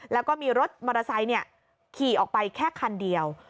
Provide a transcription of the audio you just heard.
แล้วก็มีรถมอเตอร์ไซค์ขี่ออกไปแค่คันเดียว